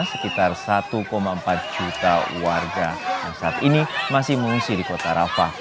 sekitar satu empat juta warga yang saat ini masih mengungsi di kota arafah